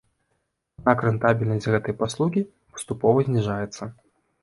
Аднак рэнтабельнасць гэтай паслугі паступова зніжаецца.